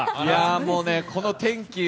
もうね、この天気。